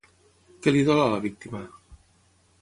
Què li dol a la víctima?